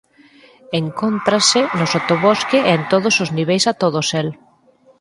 Encóntrase no sotobosque e en todos os niveis ata o dosel.